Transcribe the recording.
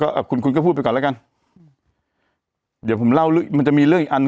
อ่าคุณคุณก็พูดไปก่อนแล้วกันอืมเดี๋ยวผมเล่าเรื่องมันจะมีเรื่องอีกอัน